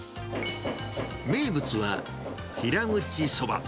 名物は平打ちそば。